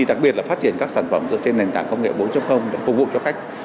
đặc biệt là phát triển các sản phẩm dựa trên nền tảng công nghệ bốn để phục vụ cho khách